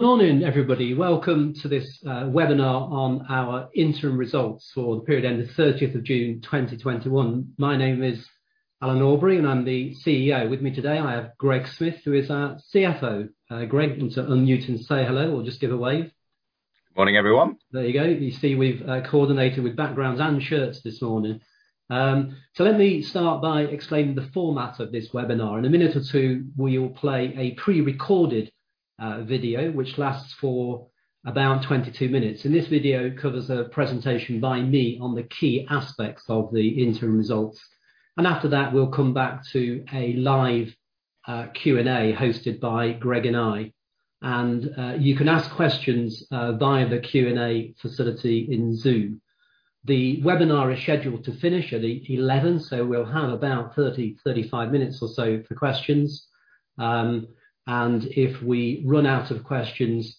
Good morning, everybody. Welcome to this webinar on our interim results for the period ending 30th of June 2021. My name is Alan Aubrey, and I'm the CEO. With me today, I have Greg Smith, who is our CFO. Greg, you can unmute and say hello or just give a wave. Morning, everyone. There you go. You see we've coordinated with backgrounds and shirts this morning. Let me start by explaining the format of this webinar. In a minute or two, we will play a pre-recorded video which lasts for about 22 minutes. This video covers a presentation by me on the key aspects of the interim results. After that, we'll come back to a live Q&A hosted by Greg and I. You can ask questions via the Q&A facility in Zoom. The webinar is scheduled to finish at 11. We'll have about 30, 35 minutes or so for questions. If we run out of questions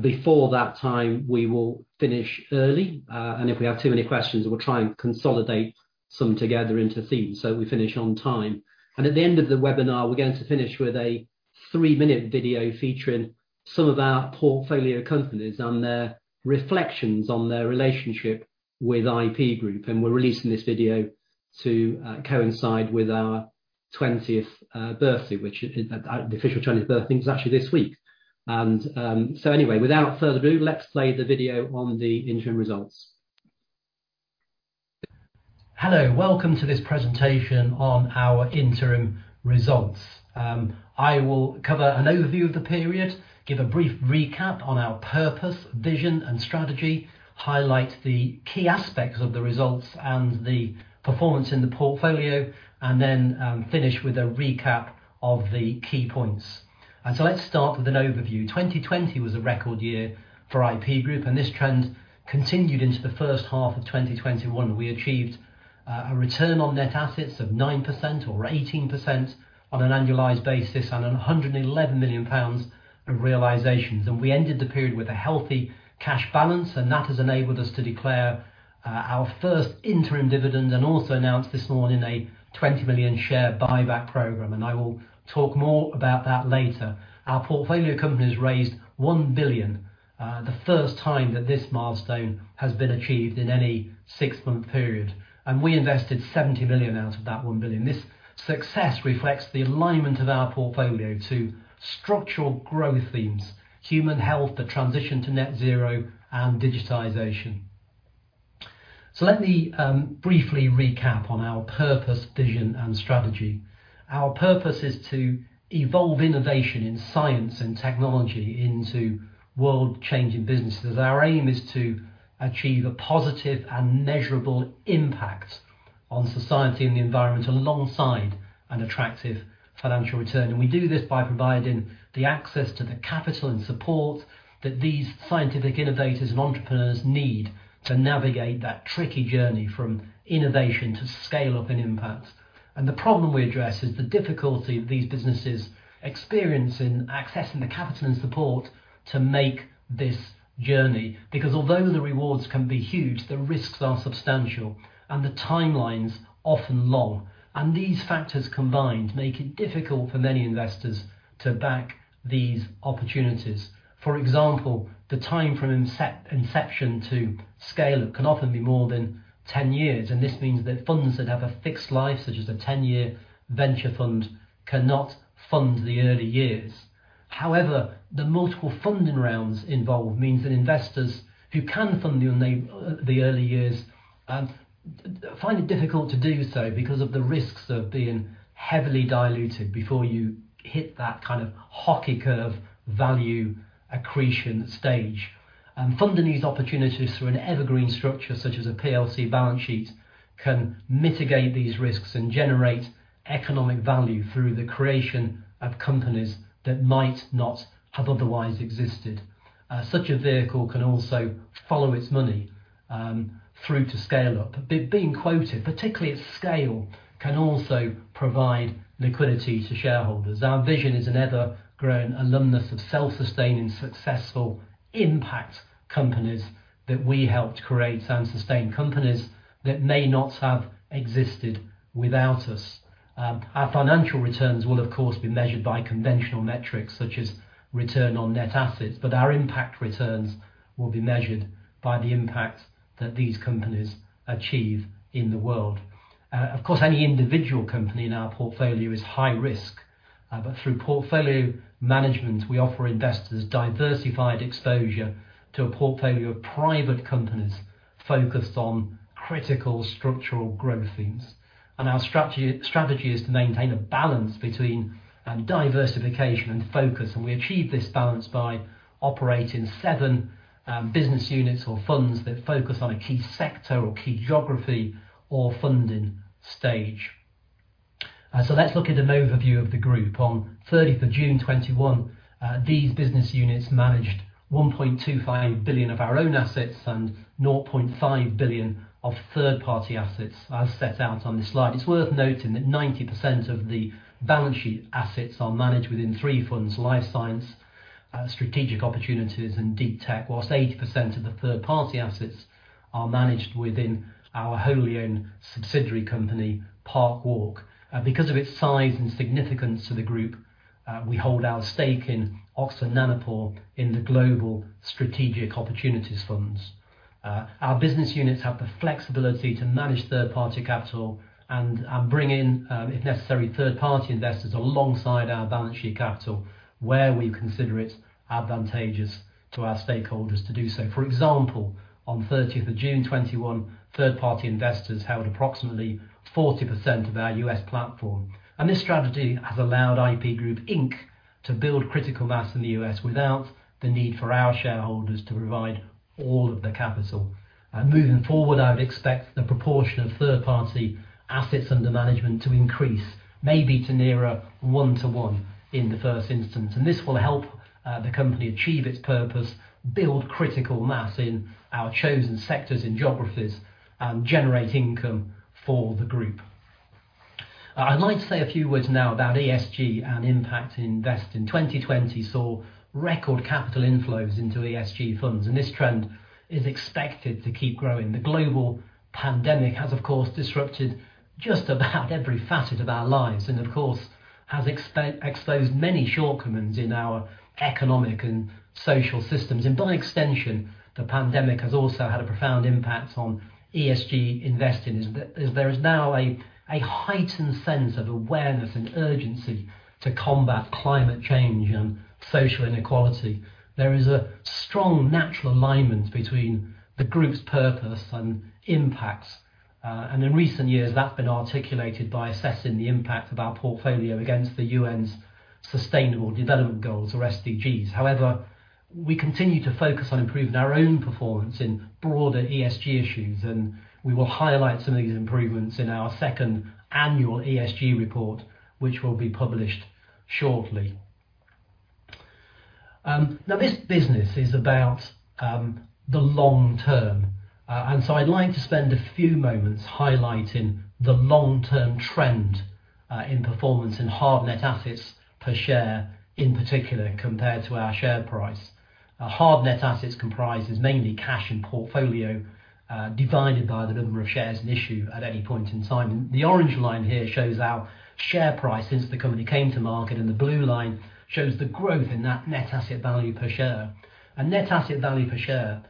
before that time, we will finish early. If we have too many questions, we'll try and consolidate some together into themes so we finish on time. At the end of the webinar, we're going to finish with a three minute video featuring some of our portfolio companies on their reflections on their relationship with IP Group. We're releasing this video to coincide with our 20th birthday, which the official 20th birthday is actually this week. Anyway, without further ado, let's play the video on the interim results. Hello. Welcome to this presentation on our interim results. I will cover an overview of the period, give a brief recap on our purpose, vision, and strategy, highlight the key aspects of the results and the performance in the portfolio, then finish with a recap of the key points. Let's start with an overview. 2020 was a record year for IP Group, and this trend continued into the first half of 2021. We achieved a return on net assets of 9% or 18% on an annualized basis, 111 million pounds of realizations. We ended the period with a healthy cash balance, and that has enabled us to declare our first interim dividend and also announced this morning a 20 million share buyback program, and I will talk more about that later. Our portfolio companies raised 1 billion. The first time that this milestone has been achieved in any six month period. We invested 70 million out of that 1 billion. This success reflects the alignment of our portfolio to structural growth themes, human health, the transition to net zero, and digitization. Let me briefly recap on our purpose, vision, and strategy. Our purpose is to evolve innovation in science and technology into world-changing businesses. Our aim is to achieve a positive and measurable impact on society and the environment alongside an attractive financial return. We do this by providing the access to the capital and support that these scientific innovators and entrepreneurs need to navigate that tricky journey from innovation to scale-up and impact. The problem we address is the difficulty of these businesses experiencing accessing the capital and support to make this journey, because although the rewards can be huge, the risks are substantial and the timelines often long. These factors combined make it difficult for many investors to back these opportunities. For example, the time from inception to scale-up can often be more than 10 years, and this means that funds that have a fixed life, such as a 10-year venture fund, cannot fund the early years. However, the multiple funding rounds involved means that investors who can fund the early years find it difficult to do so because of the risks of being heavily diluted before you hit that kind of hockey curve value accretion stage. Funding these opportunities through an evergreen structure such as a PLC balance sheet can mitigate these risks and generate economic value through the creation of companies that might not have otherwise existed. Such a vehicle can also follow its money, through to scale up. Being quoted, particularly at scale, can also provide liquidity to shareholders. Our vision is an ever-growing alumnus of self-sustaining, successful impact companies that we helped create and sustain, companies that may not have existed without us. Our financial returns will, of course, be measured by conventional metrics such as return on net assets, but our impact returns will be measured by the impact that these companies achieve in the world. Of course, any individual company in our portfolio is high risk. Through portfolio management, we offer investors diversified exposure to a portfolio of private companies focused on critical structural growth themes. Our strategy is to maintain a balance between diversification and focus, and we achieve this balance by operating seven business units or funds that focus on a key sector or key geography or funding stage. Let's look at an overview of the group. On 30th of June 2021, these business units managed 1.25 billion of our own assets and 0.5 billion of third-party assets, as set out on this slide. It's worth noting that 90% of the balance sheet assets are managed within three funds, life science, strategic opportunities, and deep tech, whilst 80% of the third-party assets are managed within our wholly owned subsidiary company, Parkwalk. Because of its size and significance to the group, we hold our stake in Oxford Nanopore in the global strategic opportunities funds. Our business units have the flexibility to manage third-party capital and bring in, if necessary, third-party investors alongside our balance sheet capital where we consider it advantageous to our stakeholders to do so. For example, on 30th of June 2021, third-party investors held approximately 40% of our U.S. platform. This strategy has allowed IP Group Inc. to build critical mass in the U.S. without the need for our shareholders to provide all of the capital. Moving forward, I would expect the proportion of third-party assets under management to increase, maybe to nearer one to one in the first instance. This will help the company achieve its purpose, build critical mass in our chosen sectors and geographies, and generate income for the group. I'd like to say a few words now about ESG and impact investing. 2020 saw record capital inflows into ESG funds, and this trend is expected to keep growing. The global pandemic has, of course, disrupted just about every facet of our lives and, of course, has exposed many shortcomings in our economic and social systems. By extension, the pandemic has also had a profound impact on ESG investing as there is now a heightened sense of awareness and urgency to combat climate change and social inequality. There is a strong natural alignment between the group's purpose and impacts. In recent years, that's been articulated by assessing the impact of our portfolio against the UN's Sustainable Development Goals, or SDGs. We continue to focus on improving our own performance in broader ESG issues, and we will highlight some of these improvements in our second annual ESG report, which will be published shortly. This business is about the long term. I'd like to spend a few moments highlighting the long-term trend, in performance in hard net assets per share, in particular, compared to our share price. Hard net assets comprises mainly cash and portfolio, divided by the number of shares in issue at any point in time. The orange line here shows our share price since the company came to market, and the blue line shows the growth in that net asset value per share. Net asset value per share,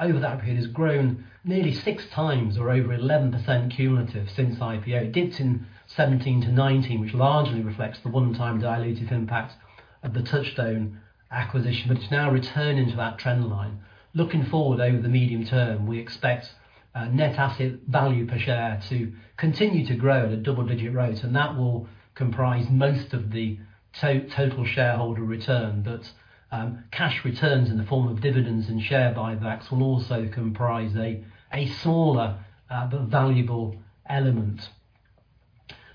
over that period, has grown nearly six times or over 11% cumulative since IPO. It dipped in 2017-2019, which largely reflects the one-time dilutive impact of the Touchstone acquisition, but it's now returning to that trend line. Looking forward over the medium term, we expect net asset value per share to continue to grow at a double-digit rate, and that will comprise most of the total shareholder return. Cash returns in the form of dividends and share buybacks will also comprise a smaller but valuable element.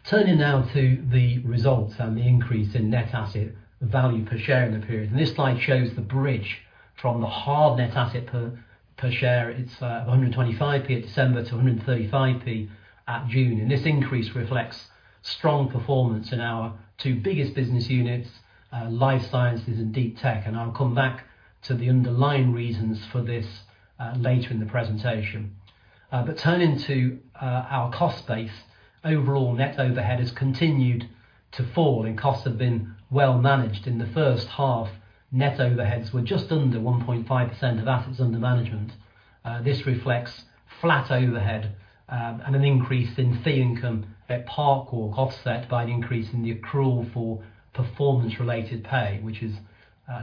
Turning now to the results and the increase in net asset value per share in the period. This slide shows the bridge from the hard net asset per share. It's 1.25 at December to 1.35 at June, and this increase reflects strong performance in our two biggest business units, life sciences and deep tech. I'll come back to the underlying reasons for this later in the presentation. Turning to our cost base. Overall, net overhead has continued to fall, and costs have been well managed. In the first half, net overheads were just under 1.5% of assets under management. This reflects flat overhead, and an increase in fee income at Parkwalk offset by an increase in the accrual for performance-related pay, which is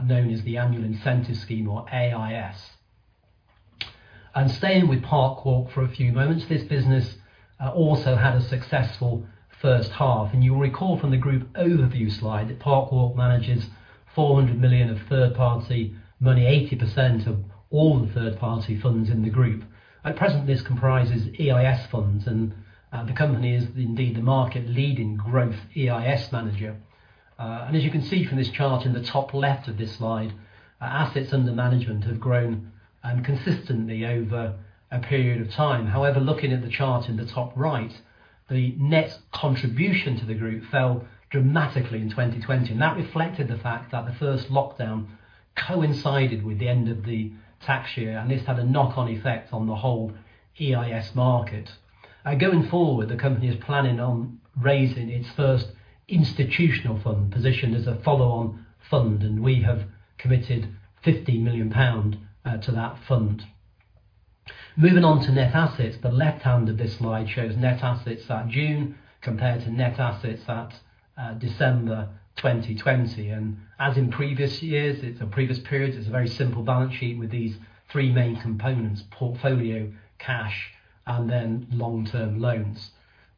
known as the Annual Incentive Scheme, or AIS. Staying with Parkwalk for a few moments, this business also had a successful first half. You will recall from the group overview slide that Parkwalk manages 400 million of third-party money, 80% of all the third-party funds in the group. At present, this comprises EIS funds and the company is indeed the market-leading growth EIS manager. As you can see from this chart in the top left of this slide, assets under management have grown consistently over a period of time. However, looking at the chart in the top right, the net contribution to the group fell dramatically in 2020, and that reflected the fact that the first lockdown coincided with the end of the tax year, and this had a knock-on effect on the whole EIS market. Going forward, the company is planning on raising its first institutional fund, positioned as a follow-on fund. We have committed 15 million pound to that fund. Moving on to net assets. The left hand of this slide shows net assets at June compared to net assets at December 2020. As in previous years, it's a previous period. It's a very simple balance sheet with these three main components, portfolio, cash, and then long-term loans.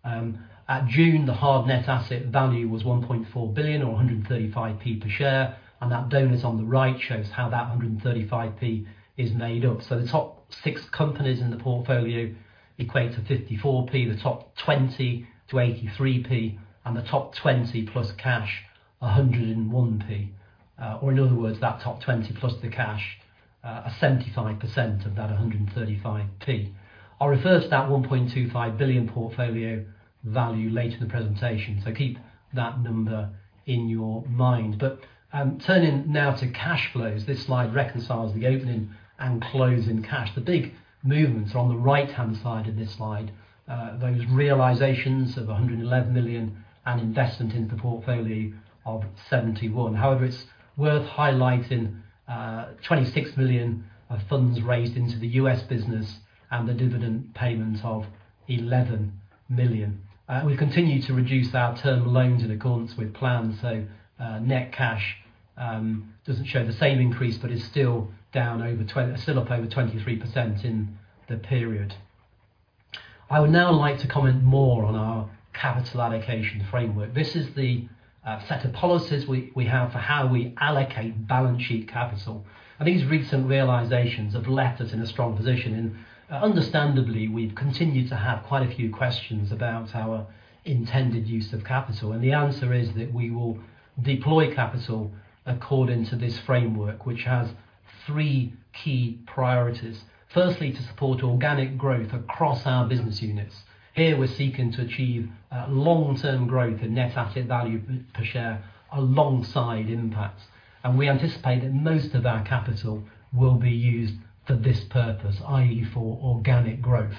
At June, the hard net asset value was 1.4 billion, or 1.35 per share. That donut on the right shows how that 1.35 is made up. The top six companies in the portfolio equate to 0.54, the top 20 to 0.83, and the top 20 plus cash, 1.01. In other words, that top 20 plus the cash are 75% of that 1.35. I will refer to that 1.25 billion portfolio value later in the presentation, keep that number in your mind. Turning now to cash flows. This slide reconciles the opening and closing cash. The big movements are on the right-hand side of this slide, those realizations of 111 million and investment into the portfolio of 71 million. However, it is worth highlighting 26 million of funds raised into the U.S. business and the dividend payment of 11 million. We've continued to reduce our term loans in accordance with plan, so net cash doesn't show the same increase, but it's still up over 23% in the period. I would now like to comment more on our capital allocation framework. This is the set of policies we have for how we allocate balance sheet capital, and these recent realizations have left us in a strong position. Understandably, we've continued to have quite a few questions about our intended use of capital, and the answer is that we will deploy capital according to this framework, which has three key priorities. Firstly, to support organic growth across our business units. Here, we're seeking to achieve long-term growth in net asset value per share alongside impacts. We anticipate that most of our capital will be used for this purpose, i.e., for organic growth.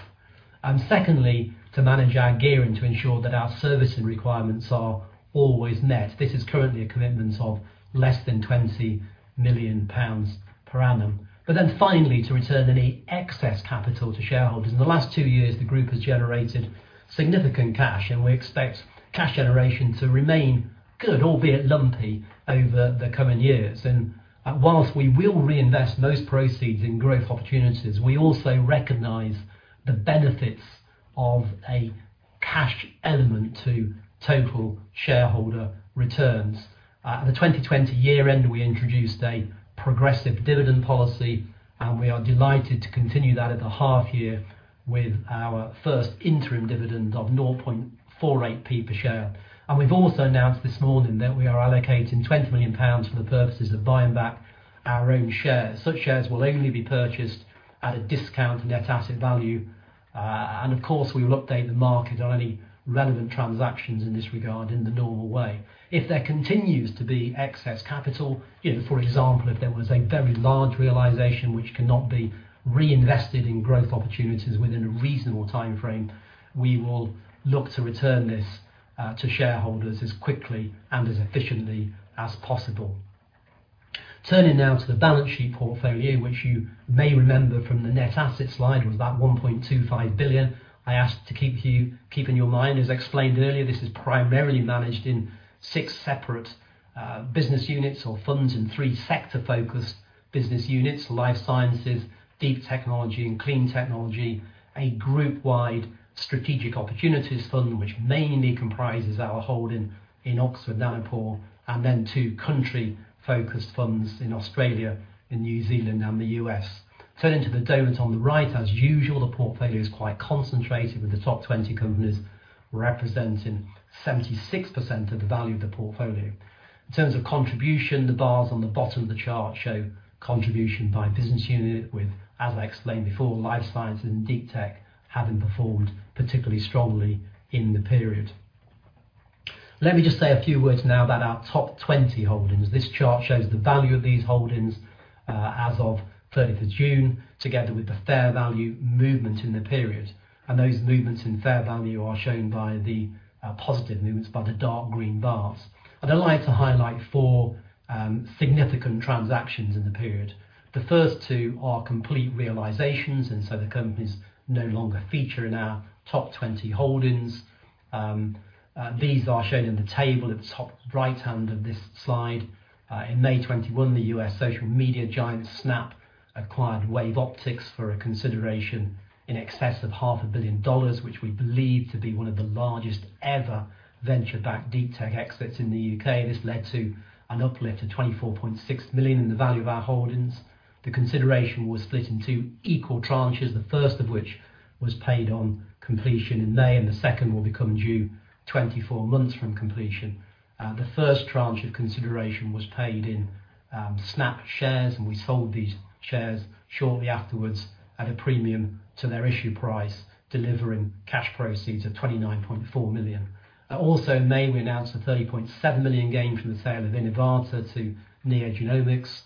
Secondly, to manage our gearing to ensure that our servicing requirements are always met. This is currently a commitment of less than 20 million pounds per annum. Finally, to return any excess capital to shareholders. In the last two years, the group has generated significant cash, and we expect cash generation to remain good, albeit lumpy, over the coming years. Whilst we will reinvest most proceeds in growth opportunities, we also recognize the benefits of a cash element to total shareholder returns. At the 2020 year-end, we introduced a progressive dividend policy, and we are delighted to continue that at the half year with our first interim dividend of 0.48 per share. We've also announced this morning that we are allocating 20 million pounds for the purposes of buying back our own shares. Such shares will only be purchased at a discount to net asset value. Of course, we will update the market on any relevant transactions in this regard in the normal way. If there continues to be excess capital, for example, if there was a very large realization which cannot be reinvested in growth opportunities within a reasonable timeframe, we will look to return this to shareholders as quickly and as efficiently as possible. Turning now to the balance sheet portfolio, which you may remember from the net asset slide was that 1.25 billion I asked to keep in your mind. As explained earlier, this is primarily managed in six separate business units or funds in three sector-focused business units, life sciences, deep technology, and clean technology, a group-wide strategic opportunities fund, which mainly comprises our holding in Oxford Nanopore, and then two country-focused funds in Australia and New Zealand and the U.S. Turning to the donut on the right, as usual, the portfolio is quite concentrated, with the top 20 companies representing 76% of the value of the portfolio. In terms of contribution, the bars on the bottom of the chart show contribution by business unit with, as I explained before, life sciences and deep tech having performed particularly strongly in the period. Let me just say a few words now about our top 20 holdings. This chart shows the value of these holdings as of 30th of June, together with the fair value movement in the period. Those movements in fair value are shown by the positive movements by the dark green bars. I'd like to highlight four significant transactions in the period. The first two are complete realizations, and so the companies no longer feature in our top 20 holdings. These are shown in the table at the top right-hand of this slide. In May 2021, the U.S. social media giant Snap acquired WaveOptics for a consideration in excess of half a billion dollars, which we believe to be one of the largest ever venture-backed deep tech exits in the U.K. This led to an uplift of 24.6 million in the value of our holdings. The consideration was split in two equal tranches, the first of which was paid on completion in May, and the second will become due 24 months from completion. The first tranche of consideration was paid in Snap shares. We sold these shares shortly afterwards at a premium to their issue price, delivering cash proceeds of 29.4 million. Also in May, we announced a 30.7 million gain from the sale of Inivata to NeoGenomics,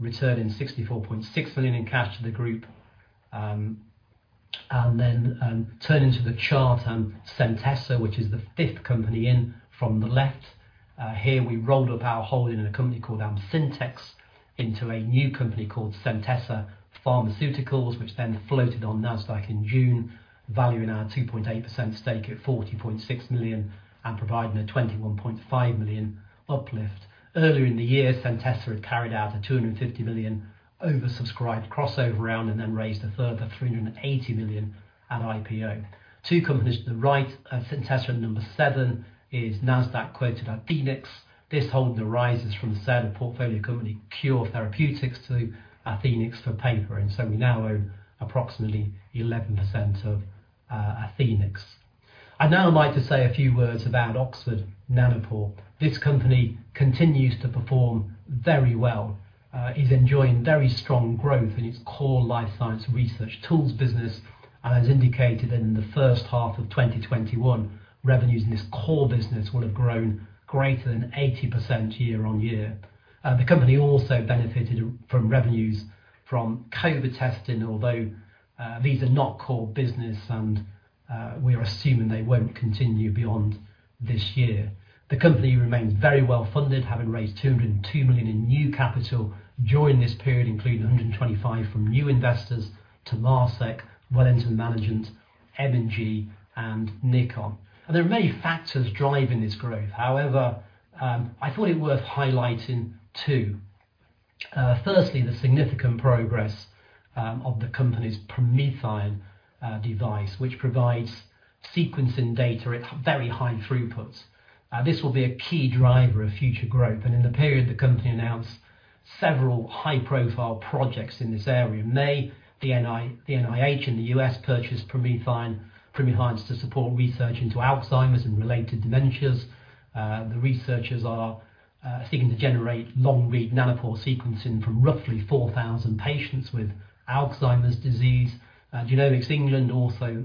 returning 64.6 million in cash to the group. Turning to the chart, Centessa, which is the fifth company in from the left. Here, we rolled up our holding in a company called ApcinteX into a new company called Centessa Pharmaceuticals, which floated on Nasdaq in June, valuing our 2.8% stake at 40.6 million and providing a 21.5 million uplift. Earlier in the year, Centessa had carried out a 250 million oversubscribed crossover round. Raised a further 380 million at IPO. Two companies to the right of Centessa in number seven is Nasdaq-quoted Athenex. This holding arises from the sale of portfolio company Kuur Therapeutics to Athenex for paper, and so we now own approximately 11% of Athenex. I'd now like to say a few words about Oxford Nanopore. This company continues to perform very well. It's enjoying very strong growth in its core life science research tools business. As indicated in the first half of 2021, revenues in this core business will have grown greater than 80% year-on-year. The company also benefited from revenues from COVID-19 testing, although these are not core business, and we are assuming they won't continue beyond this year. The company remains very well-funded, having raised 202 million in new capital during this period, including 125 million from new investors Temasek, Wellington Management, M&G, and Nikon. There are many factors driving this growth. However, I thought it worth highlighting two. Firstly, the significant progress of the company's PromethION device, which provides sequencing data at very high throughputs. This will be a key driver of future growth, and in the period, the company announced several high-profile projects in this area. In May, the NIH in the U.S. purchased PromethIONs to support research into Alzheimer's and related dementias. The researchers are seeking to generate long-read Nanopore sequencing from roughly 4,000 patients with Alzheimer's disease. Genomics England also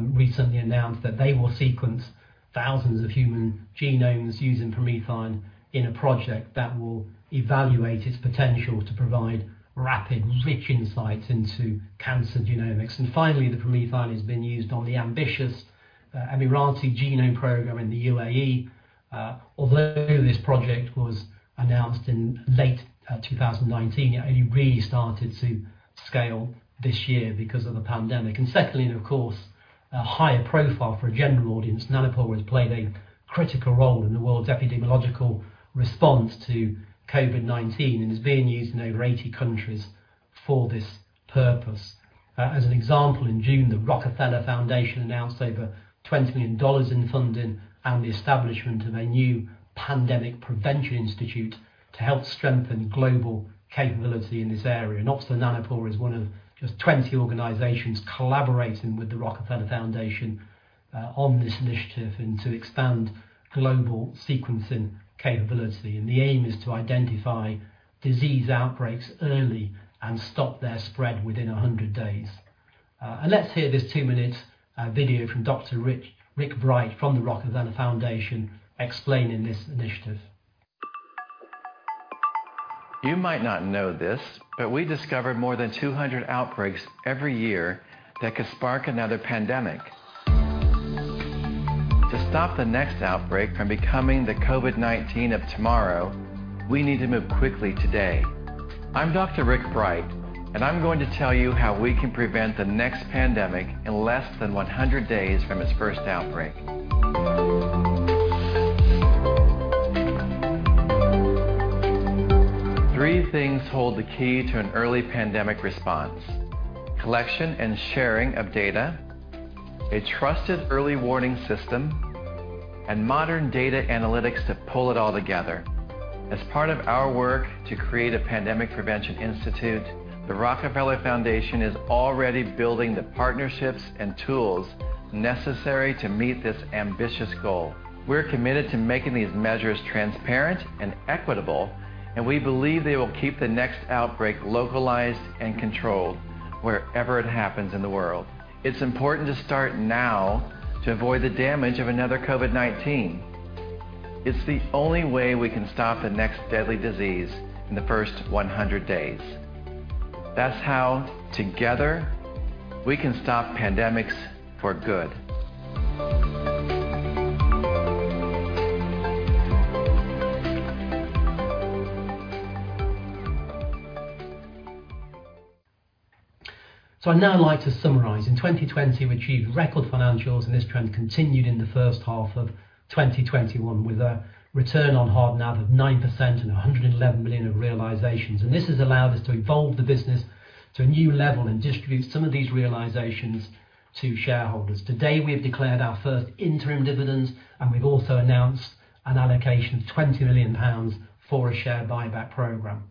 recently announced that they will sequence thousands of human genomes using PromethION in a project that will evaluate its potential to provide rapid, rich insights into cancer genomics. Finally, the PromethION has been used on the ambitious Emirati Genome Program in the UAE. Although this project was announced in late 2019, it only really started to scale this year because of the pandemic. Secondly, of course, higher profile for a general audience, Nanopore has played a critical role in the world's epidemiological response to COVID-19 and is being used in over 80 countries for this purpose. As an example, in June, the Rockefeller Foundation announced over $20 million in funding and the establishment of a new pandemic prevention institute to help strengthen global capability in this area. Oxford Nanopore is one of just 20 organizations collaborating with the Rockefeller Foundation on this initiative and to expand global sequencing capability. The aim is to identify disease outbreaks early and stop their spread within 100 days. Let's hear this two minute video from Dr. Rick Bright from the Rockefeller Foundation explaining this initiative. You might not know this, but we discover more than 200 outbreaks every year that could spark another pandemic. To stop the next outbreak from becoming the COVID-19 of tomorrow, we need to move quickly today. I'm Dr. Rick Bright, and I'm going to tell you how we can prevent the next pandemic in less than 100 days from its first outbreak. Three things hold the key to an early pandemic response, collection and sharing of data, a trusted early warning system, and modern data analytics to pull it all together. As part of our work to create The Pandemic Institute, the Rockefeller Foundation is already building the partnerships and tools necessary to meet this ambitious goal. We're committed to making these measures transparent and equitable, and we believe they will keep the next outbreak localized and controlled wherever it happens in the world. It's important to start now to avoid the damage of another COVID-19. It's the only way we can stop the next deadly disease in the first 100 days. That's how, together, we can stop pandemics for good. I'd now like to summarize. In 2020, we achieved record financials, and this trend continued in the first half of 2021 with a return on hard NAV of 9% and 111 million of realizations. This has allowed us to evolve the business to a new level and distribute some of these realizations to shareholders. Today, we have declared our first interim dividends, and we've also announced an allocation of 20 million pounds for a share buyback program.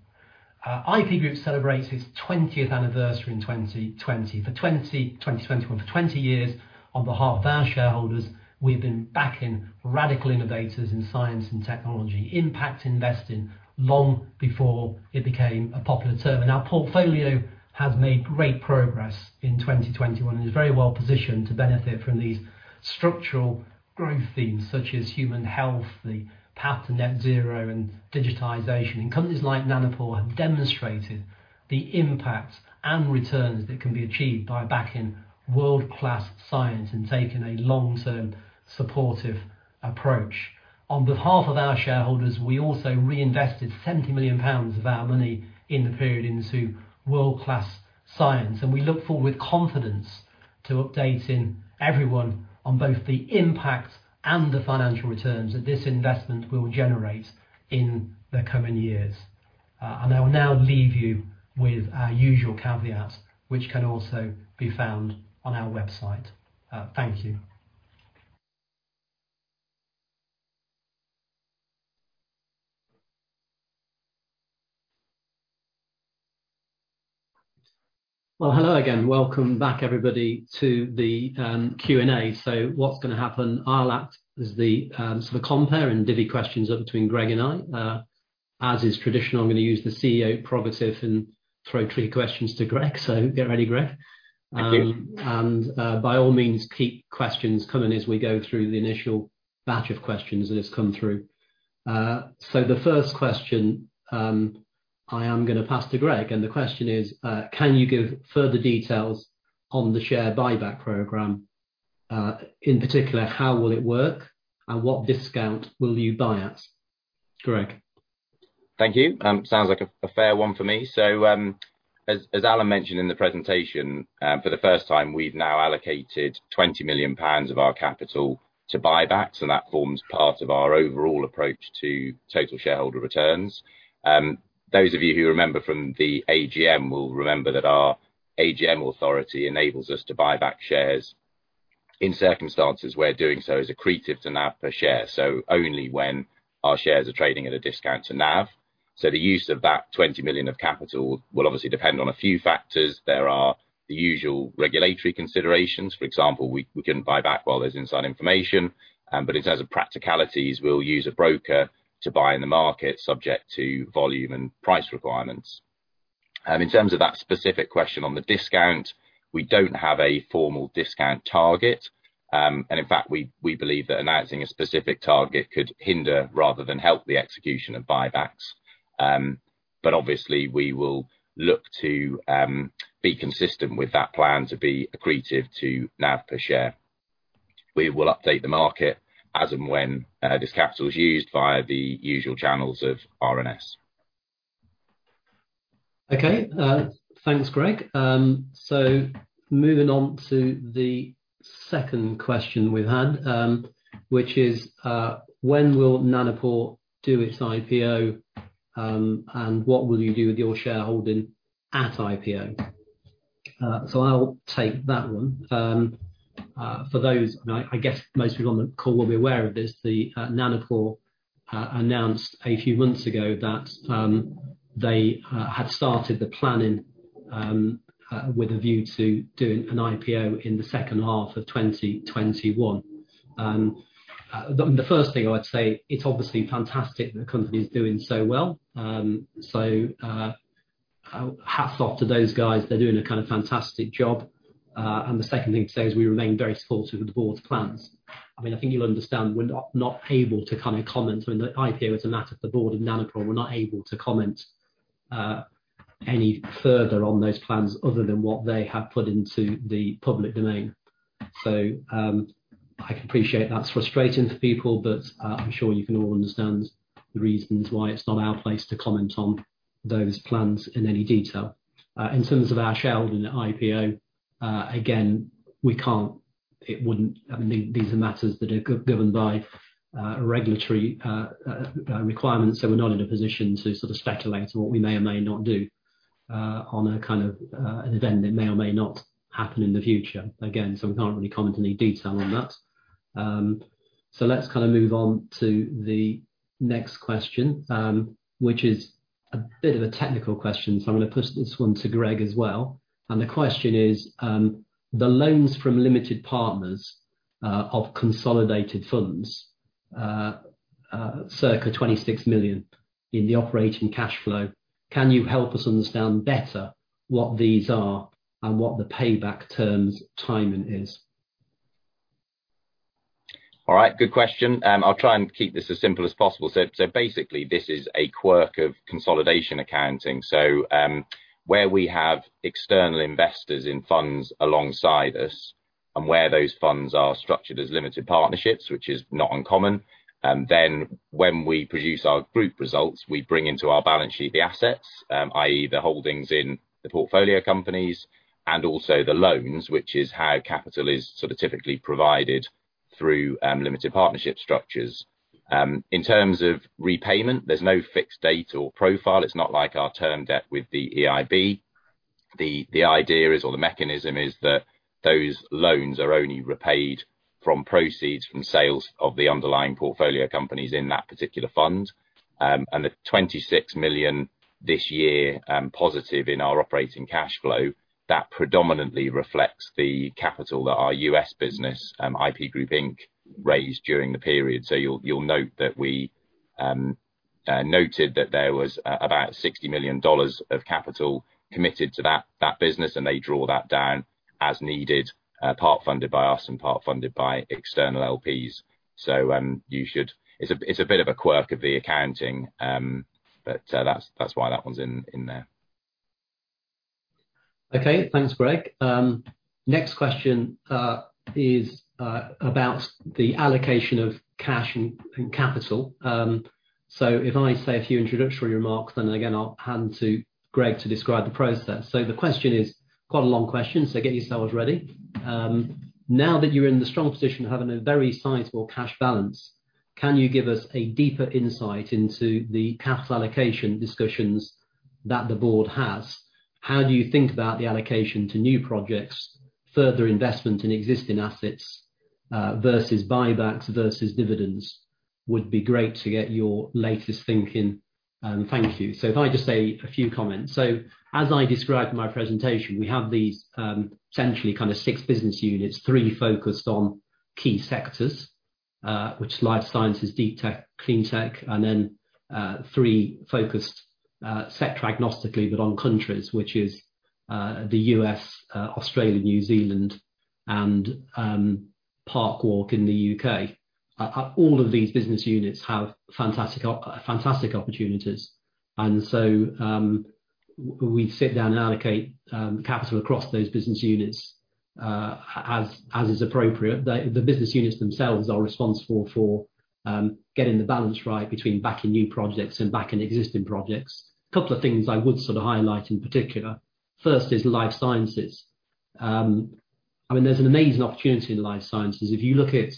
IP Group celebrates its 20th anniversary in 2020. For 20 years, on behalf of our shareholders, we've been backing radical innovators in science and technology, impact investing, long before it became a popular term. Our portfolio has made great progress in 2021 and is very well positioned to benefit from these structural growth themes, such as human health, the path to net zero, and digitization. Companies like Oxford Nanopore have demonstrated the impact and returns that can be achieved by backing world-class science and taking a long-term supportive approach. On behalf of our shareholders, we also reinvested 70 million pounds of our money in the period into world-class science, and we look forward with confidence to updating everyone on both the impact and the financial returns that this investment will generate in the coming years. I will now leave you with our usual caveats, which can also be found on our website. Thank you. Hello again. Welcome back, everybody, to the Q&A. What's going to happen, I'll act as the sort of compere and divvy questions up between Greg and I. As is traditional, I'm going to use the CEO prerogative and throw three questions to Greg. Get ready, Greg. Thank you. By all means, keep questions coming as we go through the initial batch of questions that have come through. The first question I am going to pass to Greg, the question is, can you give further details on the share buyback program? In particular, how will it work, and what discount will you buy at? Greg? Thank you. Sounds like a fair one for me. As Alan mentioned in the presentation, for the first time, we've now allocated £20 million of our capital to buyback, that forms part of our overall approach to total shareholder returns. Those of you who remember from the AGM will remember that our AGM authority enables us to buy back shares in circumstances where doing so is accretive to NAV per share, only when our shares are trading at a discount to NAV. The use of that £20 million of capital will obviously depend on a few factors. There are the usual regulatory considerations. For example, we couldn't buy back while there's inside information. In terms of practicalities, we'll use a broker to buy in the market subject to volume and price requirements. In terms of that specific question on the discount, we don't have a formal discount target. In fact, we believe that announcing a specific target could hinder rather than help the execution of buybacks. Obviously, we will look to be consistent with that plan to be accretive to NAV per share. We will update the market as and when this capital is used via the usual channels of RNS. Okay. Thanks, Greg. Moving on to the second question we've had, which is, when will Nanopore do its IPO, and what will you do with your shareholding at IPO? I'll take that one. For those, I guess most people on the call will be aware of this, Nanopore announced a few months ago that they had started the planning with a view to doing an IPO in the second half of 2021. The first thing I would say, it's obviously fantastic the company is doing so well. Hats off to those guys. They're doing a kind of fantastic job. The second thing to say is we remain very supportive of the board's plans. I think you'll understand we're not able to comment when the IPO is a matter for the board of Nanopore. We're not able to comment any further on those plans other than what they have put into the public domain. I appreciate that's frustrating for people, but I'm sure you can all understand the reasons why it's not our place to comment on those plans in any detail. In terms of our shareholding IPO, again, these are matters that are governed by regulatory requirements. We're not in a position to speculate on what we may or may not do on an event that may or may not happen in the future. We can't really comment any detail on that. Let's move on to the next question, which is a bit of a technical question, so I'm going to put this one to Greg as well. The question is, the loans from limited partners of consolidated funds, circa 26 million in the operating cash flow, can you help us understand better what these are and what the payback terms timing is? All right. Good question. I'll try and keep this as simple as possible. Basically, this is a quirk of consolidation accounting. Where we have external investors in funds alongside us and where those funds are structured as limited partnerships, which is not uncommon, then when we produce our group results, we bring into our balance sheet the assets, i.e. the holdings in the portfolio companies and also the loans, which is how capital is typically provided through limited partnership structures. In terms of repayment, there's no fixed date or profile. It's not like our term debt with the EIB. The idea is, or the mechanism is that those loans are only repaid from proceeds from sales of the underlying portfolio companies in that particular fund. The 26 million this year, positive in our operating cash flow, that predominantly reflects the capital that our U.S. business, IP Group Inc., raised during the period. You'll note that we noted that there was about $60 million of capital committed to that business, and they draw that down as needed, part funded by us and part funded by external LPs. It's a bit of a quirk of the accounting, but that's why that one's in there. Okay. Thanks, Greg. Next question is about the allocation of cash and capital. If I say a few introductory remarks, then again, I'll hand to Greg to describe the process. The question is quite a long question, so get yourselves ready. Now that you're in the strong position of having a very sizable cash balance, can you give us a deeper insight into the cash allocation discussions that the board has? How do you think about the allocation to new projects, further investment in existing assets, versus buybacks, versus dividends? Would be great to get your latest thinking. Thank you. If I just say a few comments. As I described in my presentation, we have these essentially six business units, three focused on key sectors, which is Life Sciences, Deep Tech, Clean Tech, and then three focused sector agnostically, but on countries, which is the U.S., Australia, New Zealand and Parkwalk in the U.K. All of these business units have fantastic opportunities. We sit down and allocate capital across those business units as is appropriate. The business units themselves are responsible for getting the balance right between backing new projects and backing existing projects. A couple of things I would highlight in particular. First is Life Sciences. There's an amazing opportunity in Life Sciences. If you look at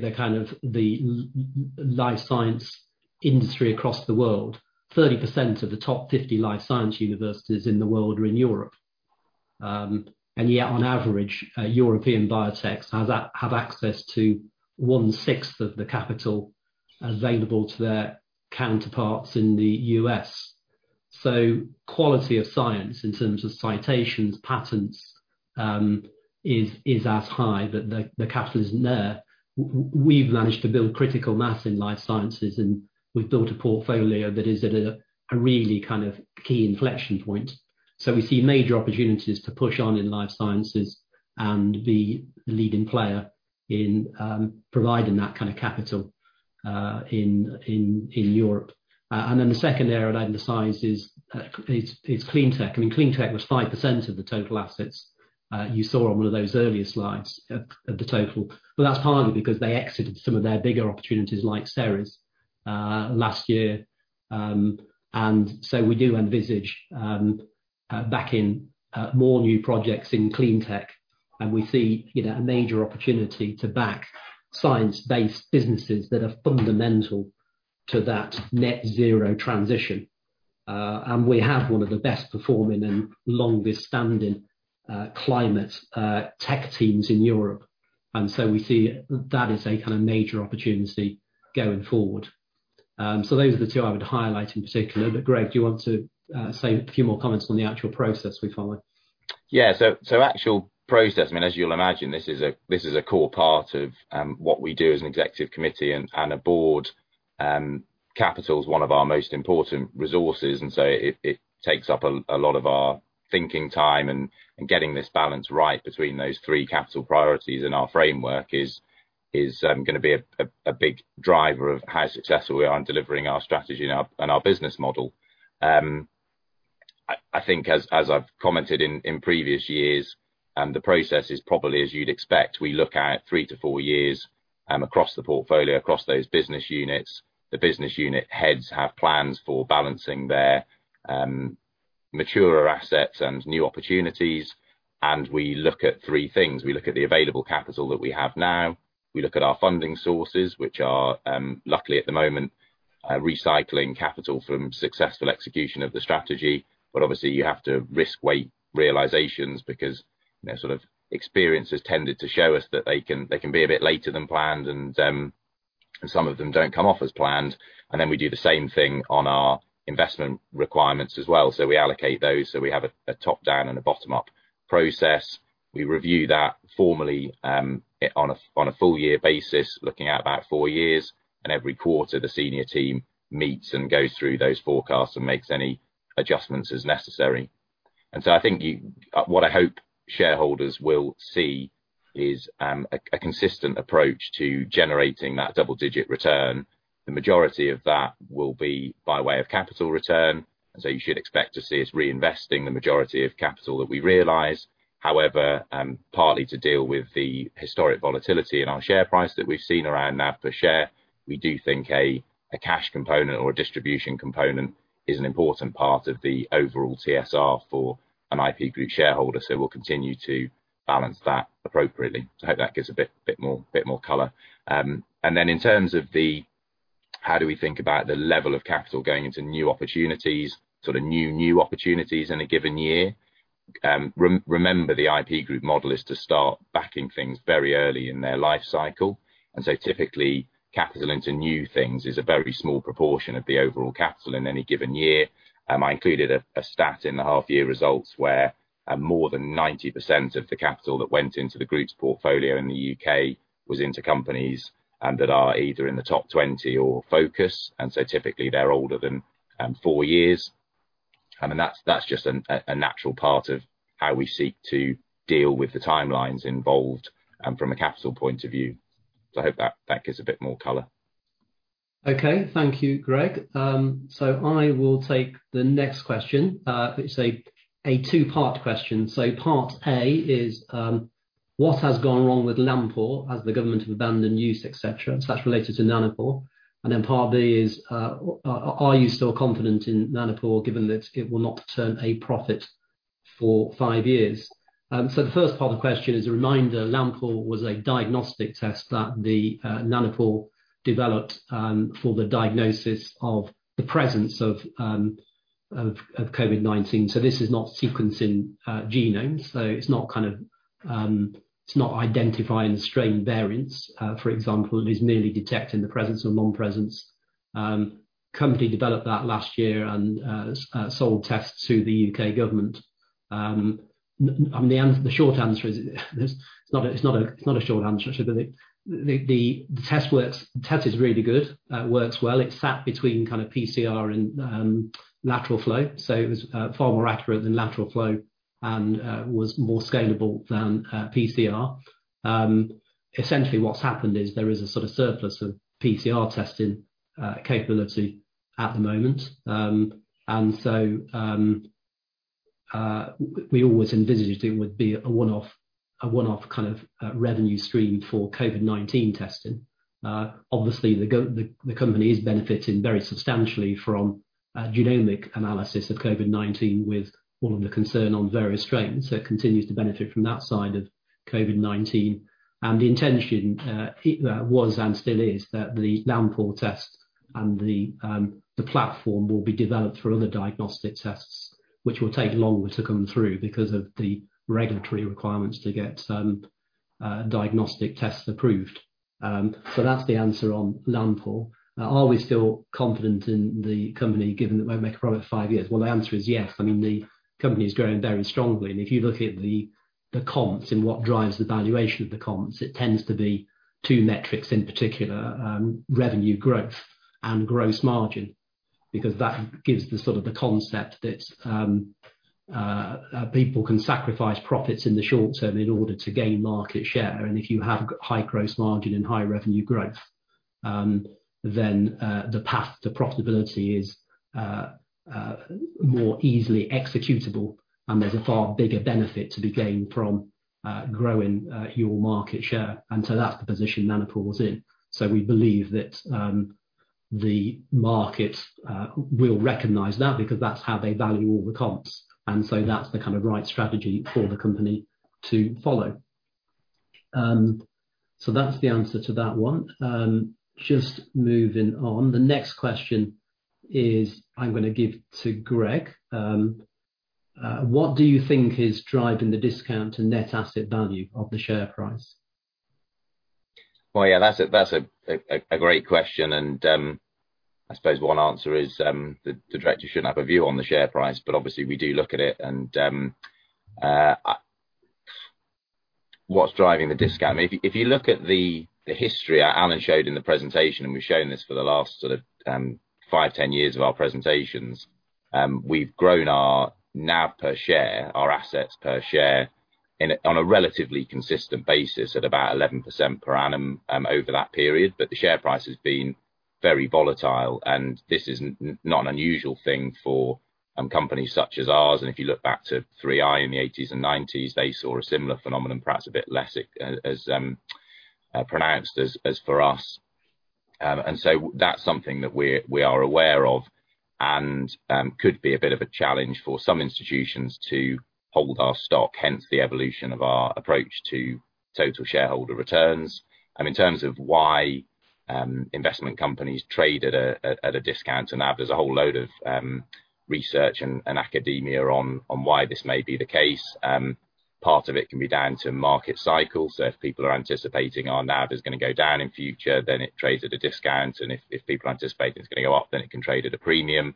the kind of the Life Science industry across the world, 30% of the top 50 Life Science universities in the world are in Europe. Yet, on average, a European biotech have access to one sixth of the capital available to their counterparts in the U.S. Quality of science in terms of citations, patents, is as high, but the capital isn't there. We've managed to build critical mass in life sciences, and we've built a portfolio that is at a really kind of key inflection point. We see major opportunities to push on in life sciences and the leading player in providing that kind of capital in Europe. The second area I'd emphasize is clean tech. Clean tech was 5% of the total assets you saw on one of those earlier slides of the total, but that's partly because they exited some of their bigger opportunities like Ceres last year. We do envisage backing more new projects in clean tech, and we see a major opportunity to back science-based businesses that are fundamental to that net zero transition. We have one of the best performing and longest-standing climate tech teams in Europe, and so we see that is a kind of major opportunity going forward. Those are the two I would highlight in particular. Greg, do you want to say a few more comments on the actual process we followed? Yeah. Actual process, as you'll imagine, this is a core part of what we do as an executive committee and a board. Capital is one of our most important resources. It takes up a lot of our thinking time and getting this balance right between those three capital priorities in our framework is going to be a big driver of how successful we are in delivering our strategy and our business model. I think as I've commented in previous years, the process is probably as you'd expect, we look out three-four years across the portfolio, across those business units. The business unit heads have plans for balancing their maturer assets and new opportunities. We look at three things. We look at the available capital that we have now. We look at our funding sources, which are, luckily at the moment, recycling capital from successful execution of the strategy. Obviously you have to risk-weight realizations because experience has tended to show us that they can be a bit later than planned and some of them don't come off as planned. We do the same thing on our investment requirements as well. We allocate those, so we have a top-down and a bottom-up process. We review that formally on a full year basis, looking out about four years. Every quarter, the senior team meets and goes through those forecasts and makes any adjustments as necessary. I think what I hope shareholders will see is a consistent approach to generating that double-digit return. The majority of that will be by way of capital return. You should expect to see us reinvesting the majority of capital that we realize. Partly to deal with the historic volatility in our share price that we've seen around NAV per share, we do think a cash component or a distribution component is an important part of the overall TSR for an IP Group shareholder, we'll continue to balance that appropriately. I hope that gives a bit more color. In terms of the how do we think about the level of capital going into new opportunities, sort of new opportunities in a given year? Remember, the IP Group model is to start backing things very early in their life cycle. Typically, capital into new things is a very small proportion of the overall capital in any given year. I included a stat in the half year results where more than 90% of the capital that went into the group's portfolio in the U.K. was into companies, and that are either in the top 20 or focus, typically they're older than four years. That's just a natural part of how we seek to deal with the timelines involved from a capital point of view. I hope that gives a bit more color. Thank you, Greg. I will take the next question. It's a two-part question. Part A is, what has gone wrong with LamPORE as the government have abandoned use, et cetera? That's related to Nanopore. Part B is, are you still confident in Nanopore given that it will not turn a profit for five years? The first part of the question as a reminder, LamPORE was a diagnostic test that Nanopore developed for the diagnosis of the presence of COVID-19. This is not sequencing genomes. It's not identifying strain variants. For example, it is merely detecting the presence or non-presence. Company developed that last year and sold tests to the U.K. government. The short answer is, it's not a short answer, actually, but the test is really good. It works well. It sat between kind of PCR and lateral flow, so it was far more accurate than lateral flow. It was more scalable than PCR. Essentially, what's happened is there is a sort of surplus of PCR testing capability at the moment. We always envisaged it would be a one-off kind of revenue stream for COVID-19 testing. Obviously, the company is benefiting very substantially from genomic analysis of COVID-19 with all of the concern on various strains, so it continues to benefit from that side of COVID-19. The intention was, and still is, that the LamPORE test and the platform will be developed for other diagnostic tests, which will take longer to come through because of the regulatory requirements to get certain diagnostic tests approved. That's the answer on LamPORE. Are we still confident in the company, given that won't make a profit for five years? Well, the answer is yes. The company is growing very strongly, and if you look at the comps and what drives the valuation of the comps, it tends to be two metrics in particular, revenue growth and gross margin, because that gives the concept that people can sacrifice profits in the short term in order to gain market share. If you have high gross margin and high revenue growth, then the path to profitability is more easily executable, and there's a far bigger benefit to be gained from growing your market share. That's the position Nanopore's in. We believe that the market will recognize that, because that's how they value all the comps. That's the kind of right strategy for the company to follow. That's the answer to that one. Just moving on, the next question is, I'm going to give to Greg. What do you think is driving the discount to net asset value of the share price? Well, yeah. That's a great question, and I suppose one answer is, the director shouldn't have a view on the share price, but obviously we do look at it and what's driving the discount. If you look at the history Alan showed in the presentation, and we've shown this for the last sort of 5, 10 years of our presentations, we've grown our NAV per share, our assets per share on a relatively consistent basis at about 11% per annum over that period. The share price has been very volatile, and this is not an unusual thing for companies such as ours. If you look back to 3i in the '80s and '90s, they saw a similar phenomenon, perhaps a bit less as pronounced as for us. That's something that we are aware of and could be a bit of a challenge for some institutions to hold our stock, hence the evolution of our approach to total shareholder returns. In terms of why investment companies trade at a discount to NAV, there's a whole load of research and academia on why this may be the case. Part of it can be down to market cycles. If people are anticipating our NAV is going to go down in future, then it trades at a discount. If people anticipate it's going to go up, then it can trade at a premium.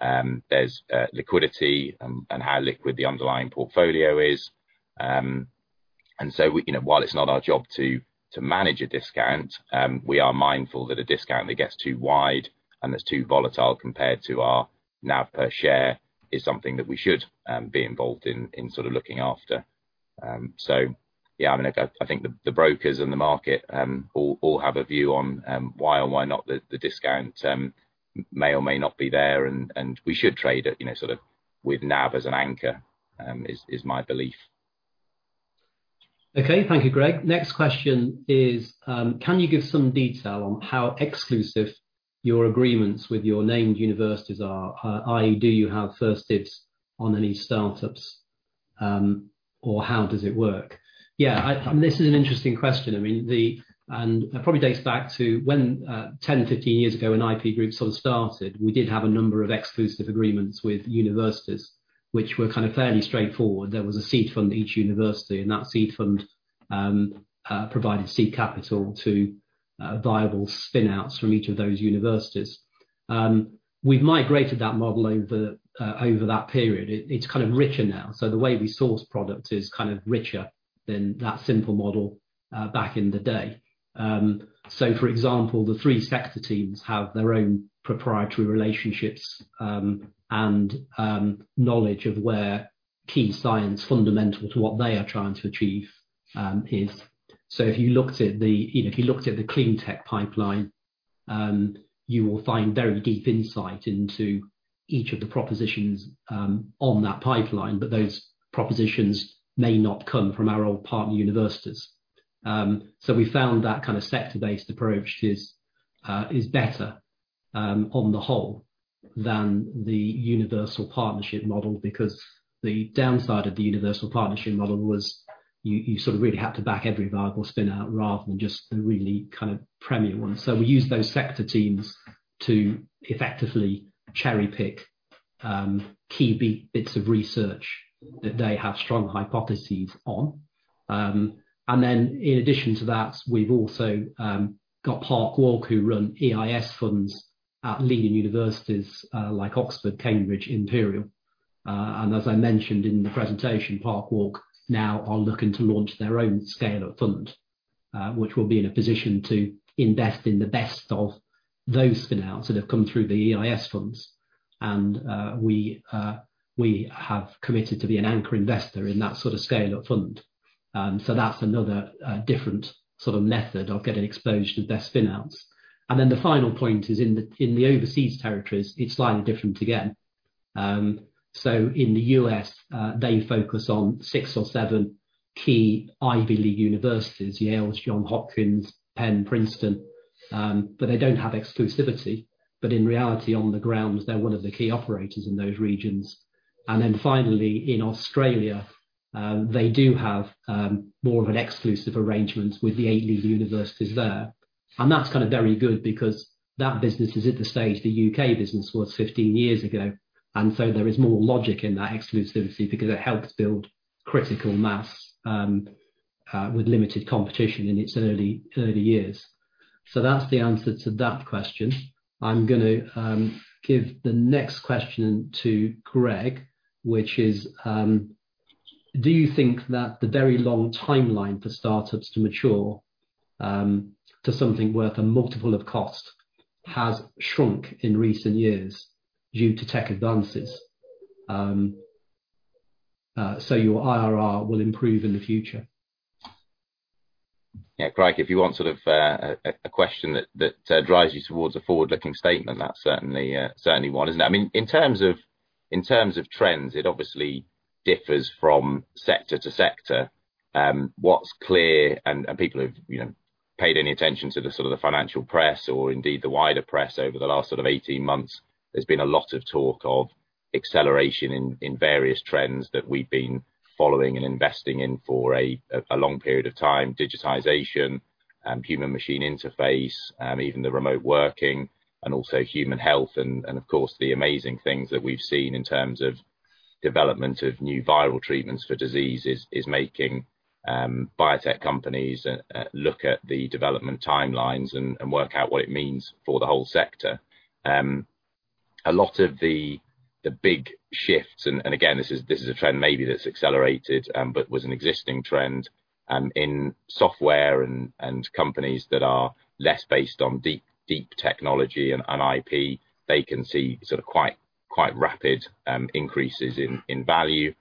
There's liquidity and how liquid the underlying portfolio is. While it's not our job to manage a discount, we are mindful that a discount that gets too wide and that's too volatile compared to our NAV per share is something that we should be involved in looking after. I think the brokers and the market all have a view on why or why not the discount may or may not be there, and we should trade it sort of with NAV as an anchor, is my belief. Okay. Thank you, Greg. Next question is, can you give some detail on how exclusive your agreements with your named universities are, i.e., do you have first dibs on any startups, or how does it work? Yeah. This is an interesting question. It probably dates back to when, 10, 15 years ago, when IP Group sort of started, we did have a number of exclusive agreements with universities, which were kind of fairly straightforward. There was a seed fund at each university. That seed fund provided seed capital to viable spin-outs from each of those universities. We've migrated that model over that period. It's kind of richer now. The way we source product is kind of richer than that simple model back in the day. For example, the three sector teams have their own proprietary relationships and knowledge of where key science fundamental to what they are trying to achieve is. If you looked at the clean tech pipeline, you will find very deep insight into each of the propositions on that pipeline, but those propositions may not come from our old partner universities. We found that kind of sector-based approach is better on the whole than the universal partnership model because the downside of the universal partnership model was you sort of really had to back every viable spin-out rather than just the really kind of premier 17. We use those sector teams to effectively cherry-pick key bits of research that they have strong hypotheses on. In addition to that, we've also got Parkwalk who run EIS funds at leading universities like Oxford, Cambridge, Imperial. As I mentioned in the presentation, Parkwalk now are looking to launch their own scale of fund, which will be in a position to invest in the best of those spin-outs that have come through the EIS funds. We have committed to be an anchor investor in that sort of scale-up fund. That's another different method of getting exposure to best spin-outs. The final point is in the overseas territories, it's slightly different again. In the U.S., they focus on six or seven key Ivy League universities, Yale, Johns Hopkins, Penn, Princeton, but they don't have exclusivity. In reality, on the grounds, they're one of the key operators in those regions. Finally, in Australia, they do have more of an exclusive arrangement with the eight leading universities there. That's very good because that business is at the stage the U.K. business was 15 years ago. There is more logic in that exclusivity because it helps build critical mass with limited competition in its early years. That's the answer to that question. I'm going to give the next question to Greg, which is, do you think that the very long timeline for startups to mature into something worth a multiple of cost has shrunk in recent years due to tech advances, so your IRR will improve in the future? Yeah, Greg. If you want a question that drives you towards a forward-looking statement, that's certainly one, isn't it? In terms of trends, it obviously differs from sector to sector. What's clear, and people who've paid any attention to the financial press or indeed the wider press over the last 18 months, there's been a lot of talk of acceleration in various trends that we've been following and investing in for a long period of time, digitization, human machine interface, even the remote working, and also human health. Of course, the amazing things that we've seen in terms of development of new viral treatments for diseases is making biotech companies look at the development timelines and work out what it means for the whole sector. A lot of the big shifts, and again, this is a trend maybe that's accelerated, but was an existing trend in software and companies that are less based on deep technology and IP, they can see quite rapid increases in value.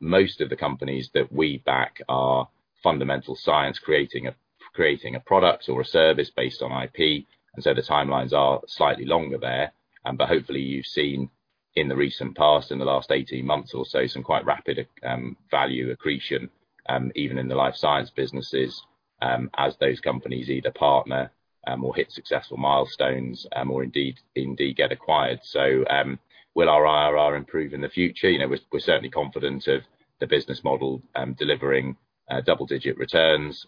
Most of the companies that we back are fundamental science creating a product or a service based on IP. The timelines are slightly longer there. Hopefully you've seen in the recent past, in the last 18 months or so, some quite rapid value accretion, even in the life science businesses, as those companies either partner, or hit successful milestones, or indeed get acquired. Will our IRR improve in the future? We're certainly confident of the business model delivering double-digit returns.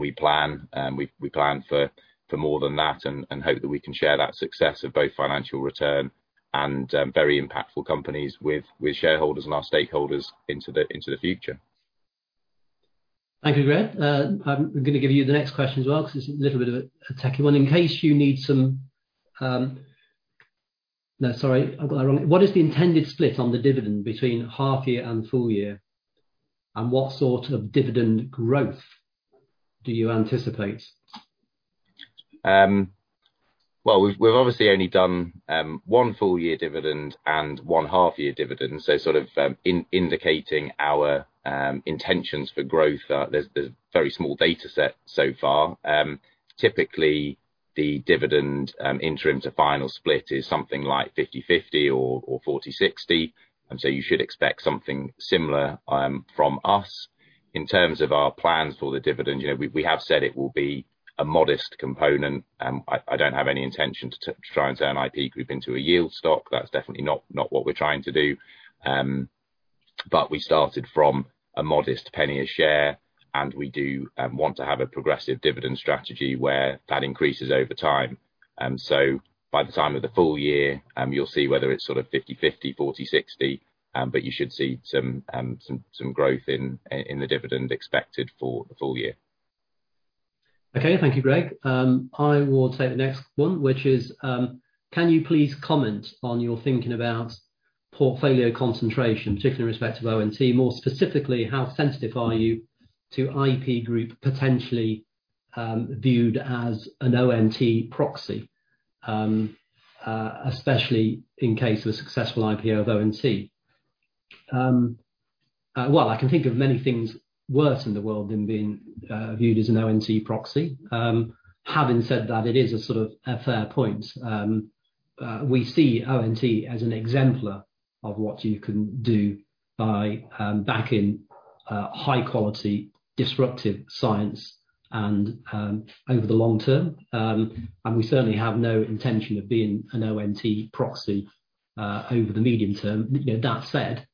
We plan for more than that and hope that we can share that success of both financial return and very impactful companies with shareholders and our stakeholders into the future. Thank you, Greg. I'm going to give you the next question as well, because it's a little bit of a techie one. No, sorry, I got that wrong. What is the intended split on the dividend between half year and full year, and what sort of dividend growth do you anticipate? We've obviously only done one full year dividend and one half year dividend. Sort of indicating our intentions for growth. There's very small data set so far. Typically, the dividend interim to final split is something like 50/50 or 40/60, you should expect something similar from us. In terms of our plans for the dividend, we have said it will be a modest component. I don't have any intention to try and turn IP Group into a yield stock. That's definitely not what we're trying to do. We started from a modest GBP 0.01 a share, we do want to have a progressive dividend strategy where that increases over time. By the time of the full year, you'll see whether it's 50/50, 40/60, you should see some growth in the dividend expected for the full year. Okay. Thank you, Greg. I will take the next one, which is, can you please comment on your thinking about portfolio concentration, particularly in respect of ONT? More specifically, how sensitive are you to IP Group potentially viewed as an ONT proxy, especially in case of a successful IPO of ONT? I can think of many things worse in the world than being viewed as an ONT proxy. Having said that, it is a sort of a fair point. We see ONT as an exemplar of what you can do by backing high-quality, disruptive science and over the long term. We certainly have no intention of being an ONT proxy over the medium term. That said,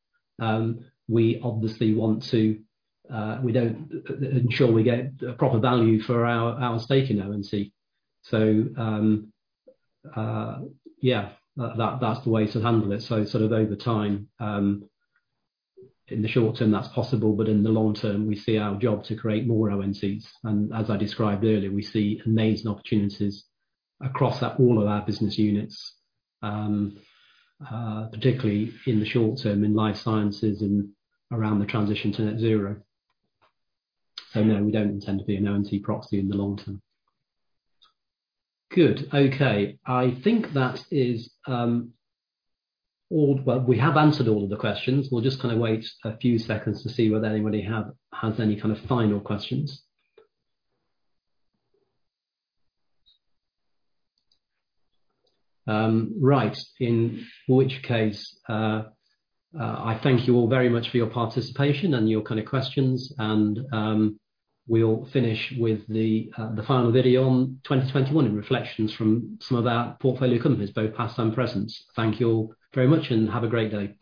we obviously want to ensure we get a proper value for our stake in ONT. Yeah, that's the way to handle it. Sort of over time, in the short term, that's possible, but in the long term, we see our job to create more ONTs. As I described earlier, we see amazing opportunities across all of our business units, particularly in the short term in life sciences and around the transition to net zero. No, we don't intend to be an ONT proxy in the long term. Good. Okay. I think that is all. Well, we have answered all of the questions. We'll just kind of wait a few seconds to see whether anybody has any kind of final questions. Right. In which case, I thank you all very much for your participation and your kind of questions, and we'll finish with the final video on 2021 and reflections from some of our portfolio companies, both past and present. Thank you all very much and have a great day.